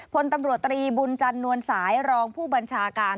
พลตำรวจตรีบุญจันนวลสายรองผู้บัญชาการ